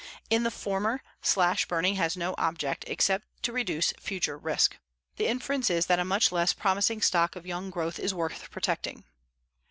In the former, slash burning has no object except to reduce future risk. The inference is that a much less promising stock of young growth is worth protecting.